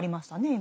今。